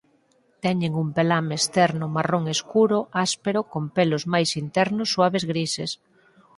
Teñen un pelame externo marrón escuro áspero con pelos máis internos suaves grises.